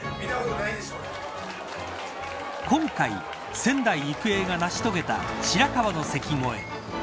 今回、仙台育英が成し遂げた白河の関越え。